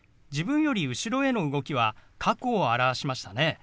自分より後ろへの動きは過去を表しましたね。